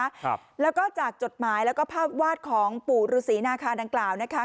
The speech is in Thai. ครับแล้วก็จากจดหมายแล้วก็ภาพวาดของปู่ฤษีนาคาดังกล่าวนะคะ